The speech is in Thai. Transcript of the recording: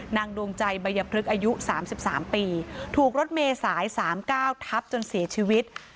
ดวงใจบัยพฤกษ์อายุ๓๓ปีถูกรถเมษาย๓๙ทับจนเสียชีวิต